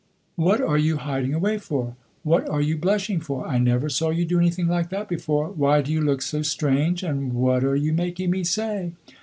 "What are you hiding away for? What are you blushing for? I never saw you do anything like that before! Why do you look so strange, and what are you making me say?